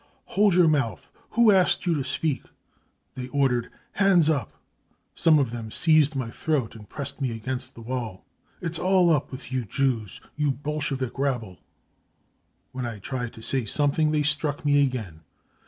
' Hold your mouth, who asked you to speak ? 5 They ordered c Hands up ! 3 Some of them 212 BROWN BOOK OF THE HITLER TERROR seized my throat and pressed me against the wall. 5 It's all up with you Jews, you Bolshevik rabble !' When I tried to say something they struck me again.